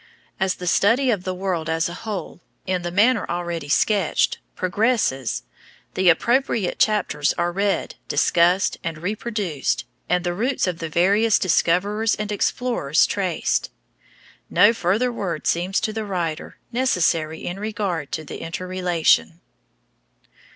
As the study of the world as a whole, in the manner already sketched, progresses, the appropriate chapters are read, discussed, and reproduced, and the routes of the various discoverers and explorers traced. No further word seems to the writer necessary in regard to the interrelation.